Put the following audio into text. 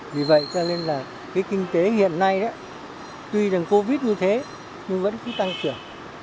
vì vậy cho nên là kinh tế hiện nay tuy rằng covid như thế nhưng vẫn tăng trưởng